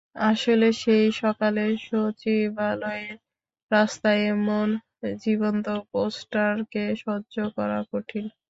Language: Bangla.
আসলে সেই সকালে সচিবালয়ের রাস্তায় এমন জীবন্ত পোস্টারকে সহ্য করা কঠিন।